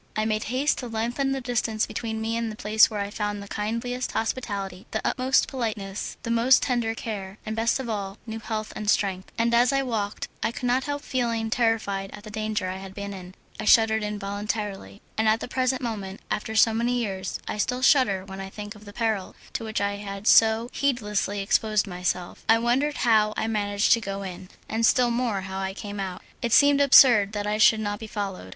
I made haste to lengthen the distance between me and the place where I had found the kindliest hospitality, the utmost politeness, the most tender care, and best of all, new health and strength, and as I walked I could not help feeling terrified at the danger I had been in. I shuddered involuntarily; and at the present moment, after so many years, I still shudder when I think of the peril to which I had so heedlessly exposed myself. I wondered how I managed to go in, and still more how I came out; it seemed absurd that I should not be followed.